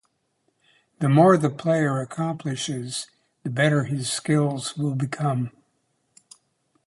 The more the player accomplishes, the better his skills will become.